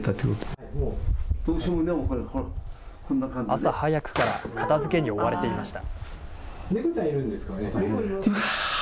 朝早くから片づけに追われていました。